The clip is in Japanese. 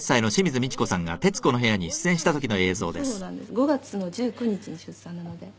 「５月の１９日に出産なので」